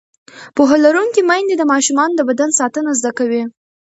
پوهه لرونکې میندې د ماشومانو د بدن ساتنه زده کوي.